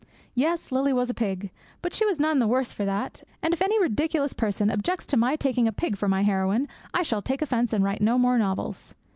Yes, Lily was a pig, but she was none the worse for that; and if any ridiculous person objects to my taking a pig for my heroine, I shall take offence and write no more novels.